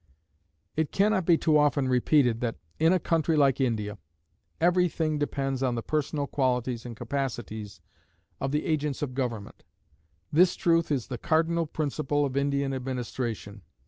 It can not be too often repeated that, in a country like India, every thing depends on the personal qualities and capacities of the agents of government. This truth is the cardinal principle of Indian administration.